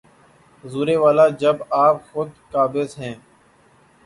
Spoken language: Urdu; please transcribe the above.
حضور والا، جب آپ خود قابض ہیں۔